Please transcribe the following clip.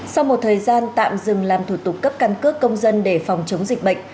sau một thời gian tạm dừng làm thủ tục cấp căn cước công dân để phòng chống dịch bệnh